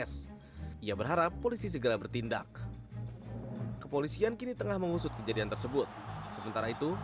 s ia berharap polisi segera bertindak kepolisian kini tengah mengusut kejadian tersebut sementara itu